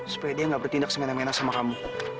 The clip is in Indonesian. supaya dia gak bertindak semena mena sama kamu